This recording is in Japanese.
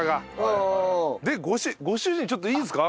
でご主人ちょっといいですか。